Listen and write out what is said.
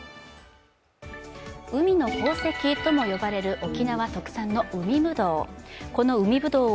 海の宝石とも呼ばれる沖縄特産の海ぶどう。